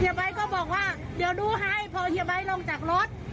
ไบท์ก็บอกว่าเดี๋ยวดูให้พอเฮียไบท์ลงจากรถ